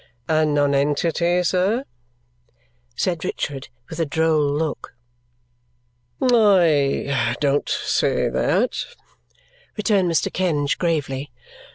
"A nonentity, sir?" said Richard with a droll look. "I don't say that," returned Mr. Kenge gravely.